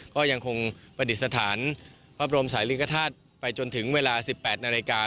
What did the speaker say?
ก็ยังคงประดิษฐานพระบรมศาลีกฐาตุไปจนถึงเวลา๑๘นาฬิกา